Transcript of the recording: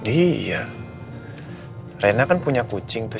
iya rena kan punya kucing tuh